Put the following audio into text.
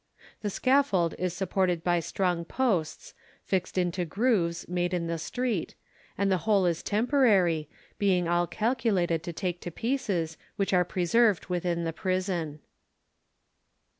The scaffold is supported by strong posts, fixed into grooves made in the street, and the whole is temporary, being all calculated to take to pieces, which are preserved within the prison.